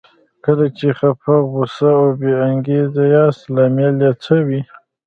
کله چې خپه، غوسه او بې انګېزې ياست لامل يې څه وي؟